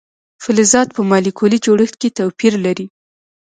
فلزات په مالیکولي جوړښت کې توپیر لري.